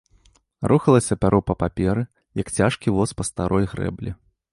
Рухалася пяро па паперы, як цяжкі воз па старой грэблі.